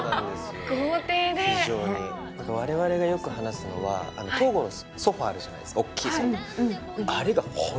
非常に豪邸で我々がよく話すのはあの東郷のソファあるじゃないですか大きいソファんですよ